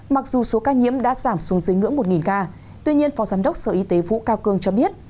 mặc dù số ca nhiễm đã giảm xuống dưới ngưỡng một ca tuy nhiên phó giám đốc sở y tế vũ cao cương cho biết